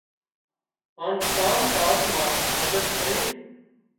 هانَ ڪام ڪاز مان مدد ڪري۔